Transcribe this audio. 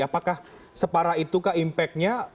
apakah separa itu ke impactnya